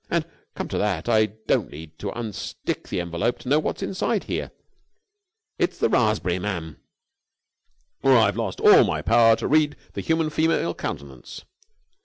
And, come to that, I don't need to unstick the envelope to know what's inside here. It's the raspberry, ma'am, or I've lost all my power to read the human female countenance.